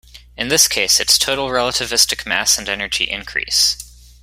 In this case, its total relativistic mass and energy increase.